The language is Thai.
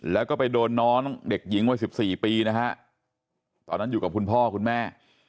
แล้วก็ไปโดนน้องเด็กหญิงวัย๑๔ปีนะฮะตอนนั้นอยู่กับคุณพ่อคุณแม่